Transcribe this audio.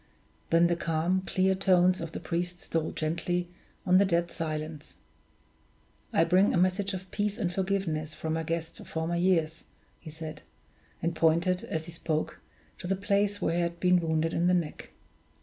Then the calm, clear tones of the priest stole gently on the dead silence. "I bring a message of peace and forgiveness from a guest of former years," he said; and pointed, as he spoke, to the place where he had been wounded in the neck.